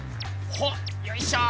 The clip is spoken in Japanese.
ほっよいしょ。